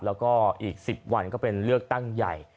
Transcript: แล้วก็อีก๑๐วันก็เป็นเลือกตั้งใหญ่